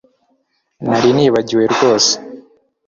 nari nibagiwe rwose